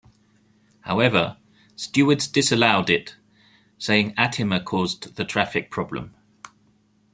However, stewards disallowed it, saying Attima caused the traffic problem.